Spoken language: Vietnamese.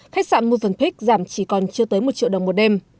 khách sạn move pick giảm chỉ còn chưa tới một triệu đồng một đêm